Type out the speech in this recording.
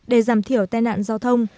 để giảm thiểu tai nạn giao thông